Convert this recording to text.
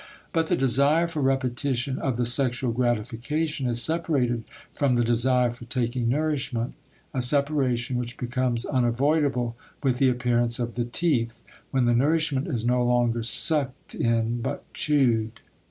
But the desire for repetition of the sexual gratification is separated from the desire for taking nourishment; a separation which becomes unavoidable with the appearance of the teeth when the nourishment is no longer sucked in but chewed.